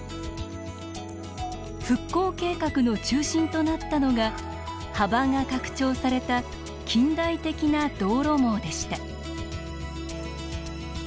復興計画の中心となったのが幅が拡張された近代的な道路網でした。